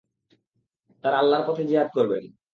তারা আল্লাহর পথে জিহাদ করবেন।